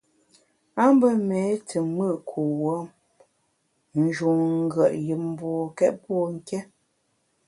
A mbe méé te mùt kuwuom, n’ njun ngùet yùm mbokét pô nké.